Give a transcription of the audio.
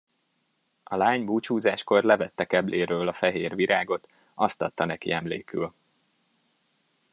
A lány búcsúzáskor levette kebléről a fehér virágot, azt adta neki emlékül.